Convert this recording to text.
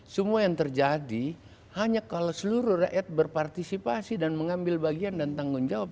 semua yang terjadi hanya kalau seluruh rakyat berpartisipasi dan mengambil bagian dan tanggung jawab